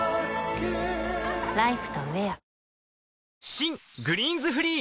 新「グリーンズフリー」